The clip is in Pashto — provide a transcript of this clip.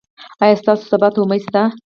ایا ستاسو سبا ته امید شته؟